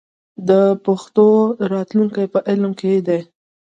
د پښتو راتلونکی په علم کې دی.